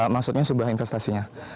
maksudnya sebuah investasinya